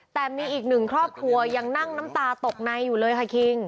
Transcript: แต่มีอีกหนึ่งครอบครัวยังนั่งน้ำตาตกในอยู่เลยค่ะคิง